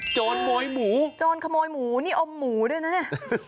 โจรขโมยหมูโจรขโมยหมูนี่อมหมูด้วยนะเนี่ย